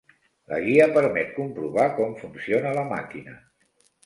La guia permet comprovar com funciona la màquina.